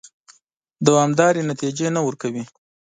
دوامدارې نتیجې نه ورکوي.